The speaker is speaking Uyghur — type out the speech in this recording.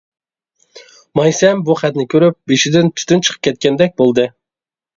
مايسەم بۇ خەتنى كۆرۈپ بېشىدىن تۈتۈن چىقىپ كەتكەندەك بولدى.